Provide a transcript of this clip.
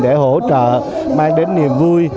để hỗ trợ mang đến niềm vui